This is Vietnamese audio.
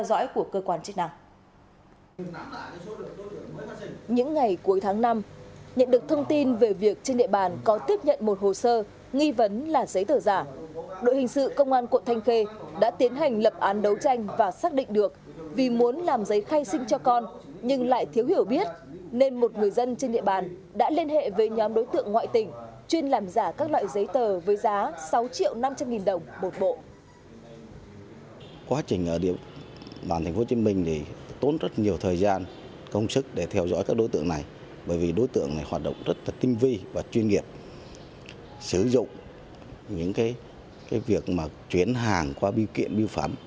đội hình sự công an cộng thành khê đã tiến hành lập án đấu tranh và xác định được vì muốn làm giấy khai sinh cho con nhưng lại thiếu hiểu biết nên một người dân trên địa bàn đã liên hệ với nhóm đối tượng ngoại tỉnh chuyên làm giả các loại giấy tờ với giá sáu triệu năm trăm linh nghìn đồng một bộ